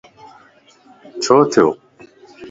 ڇو ٿيو؟